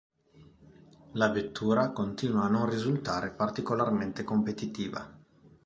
La vettura continua a non risultare particolarmente competitiva.